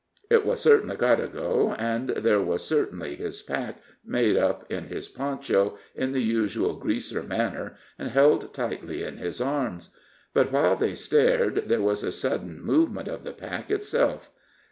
It was certainly Codago, and there was certainly his pack, made up in his poncho, in the usual Greaser manner, and held tightly in his arms. But while they stared, there was a sudden movement of the pack itself.